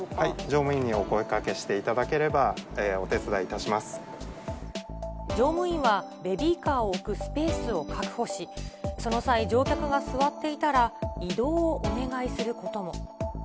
乗務員にお声がけしていただ乗務員はベビーカーを置くスペースを確保し、その際、乗客が座っていたら、移動をお願いすることも。